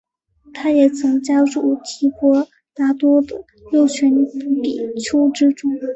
他也曾加入提婆达多的六群比丘之中。